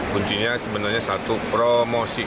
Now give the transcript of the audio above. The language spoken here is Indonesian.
kuncinya sebenarnya satu promosi